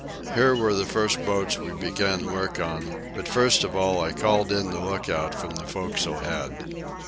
Here were the first boats we began work on; but, first of all, I called in the lookout from the forecastle head.